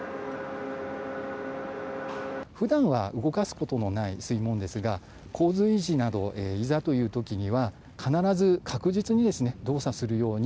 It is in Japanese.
ふだんは動かすことのない水門ですが、洪水時など、いざというときには、必ず確実に動作するように、